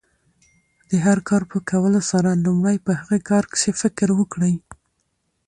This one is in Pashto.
د هر کار په کولو سره، لومړی په هغه کار کښي فکر وکړئ!